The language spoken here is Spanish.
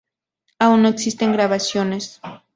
Aún no existen grabaciones.